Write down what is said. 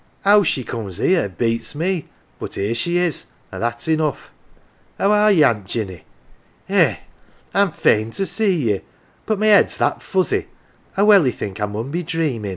How she comes ""ere beats me but here she is, an 1 that's enough ! How are ye, Aunt Jinny ? Eh, I'm fain to see ye, but my head's that fuzzy, I welly think I mun be dreamm'."